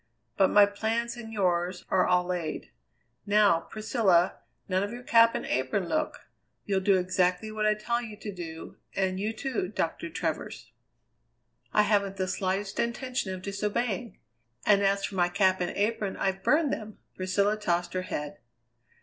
But my plans and yours are all laid. Now, Priscilla, none of your cap and apron look. You'll do exactly what I tell you to do; and you, too, Doctor Travers." "I haven't the slightest intention of disobeying. And as for my cap and apron, I've burned them!" Priscilla tossed her head.